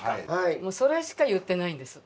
もうそれしか言ってないんです。